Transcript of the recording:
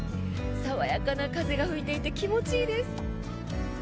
爽やかな風が吹いていて気持ちいいです。